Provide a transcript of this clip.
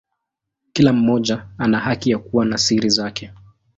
Kila mmoja ana haki ya kuwa na siri zake.